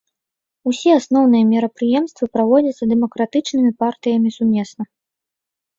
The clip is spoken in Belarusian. Усе асноўныя мерапрыемствы праводзяцца дэмакратычнымі партыямі сумесна.